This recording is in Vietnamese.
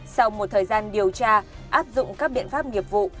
sau một thời gian điều tra áp dụng các biện pháp nghiệp vụ